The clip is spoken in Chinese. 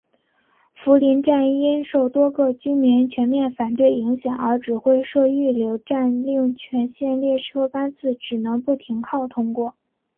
福邻站因受多个居民全面反对影响而只会设预留站令全线列车班次只能不停靠通过。